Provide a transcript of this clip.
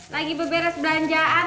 lagi beberas belanjaan